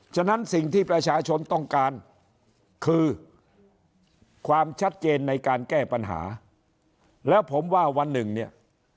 ฉะนั้นสิ่งที่ประชาชนต้องการคือความชัดเจนในการแก้ปัญหาแล้วผมว่าวันหนึ่งเนี่ย